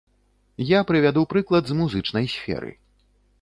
Я прывяду прыклад з музычнай сферы.